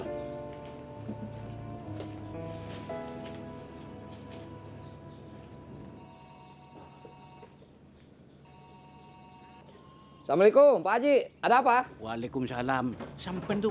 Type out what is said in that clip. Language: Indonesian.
kamu udah bisa memilih